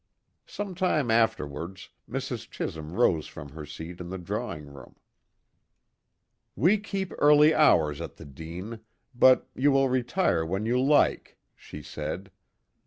Some time afterwards, Mrs. Chisholm rose from her seat in the drawing room. "We keep early hours at the Dene, but you will retire when you like," she said.